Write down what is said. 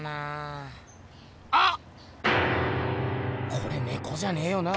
これねこじゃねえよな？